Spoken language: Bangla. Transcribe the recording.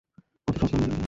কত শক্ত মেয়ে বিন্দু।